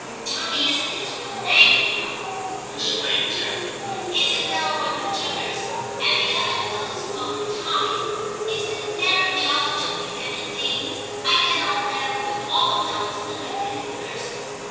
198 TIM CHAP. * Tommy isn't his real name, you know,' explained Tim ;* he's a fellow at m' tutor s, and the other fellows call him Tommy ; he's been very jolly to me, and, indeed, I get on better with all the fellows than I did at first.